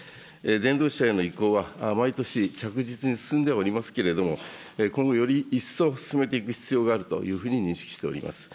電動車への移行は毎年、着実に進んではおりますけれども、今後より一層進めていく必要があるというふうに認識しております。